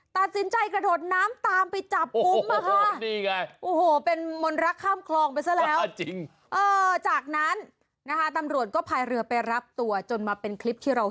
ตัดสินใจกระโดดน้ำตามไปจับกุมค่ะ